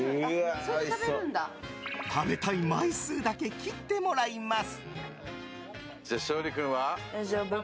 食べたい枚数だけ切ってもらいます。